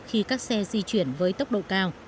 khi các xe di chuyển với tốc độ cao